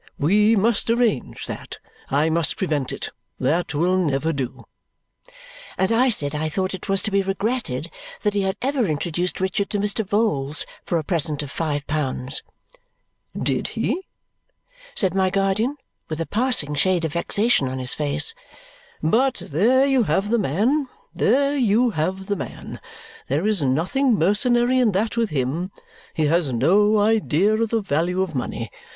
We must arrange that. I must prevent it. That will never do." And I said I thought it was to be regretted that he had ever introduced Richard to Mr. Vholes for a present of five pounds. "Did he?" said my guardian with a passing shade of vexation on his face. "But there you have the man. There you have the man! There is nothing mercenary in that with him. He has no idea of the value of money.